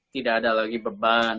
tidak ada lagi beban